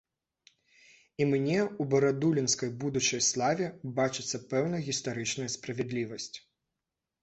І мне ў барадулінскай будучай славе бачыцца пэўная гістарычная справядлівасць.